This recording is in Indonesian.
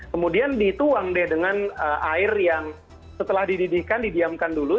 kemudian dituang deh dengan air yang setelah dididihkan didiamkan dulu